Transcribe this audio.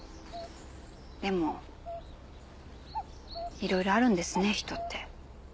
でもいろいろあるんですね人って。